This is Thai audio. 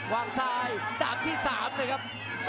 วางซ้ายดาบที่๓เลยครับ